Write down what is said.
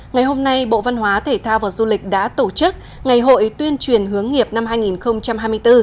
ngày hôm nay bộ văn hóa thể thao và du lịch đã tổ chức ngày hội tuyên truyền hướng nghiệp năm hai nghìn hai mươi bốn